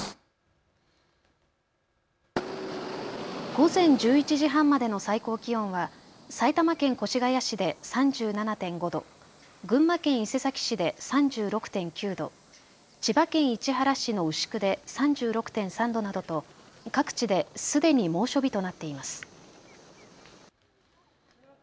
午前１１時半までの最高気温は埼玉県越谷市で３７．５度、群馬県伊勢崎市で３６．９度、千葉県市原市の牛久で３６．３度などと各地ですでに猛暑日となっています。